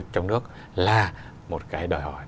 trong nước là một cái đòi hỏi